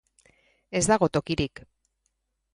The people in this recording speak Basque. Ez dago tokirik.